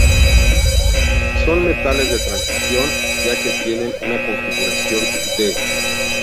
Son metales de transición, ya que tienen una configuración "d".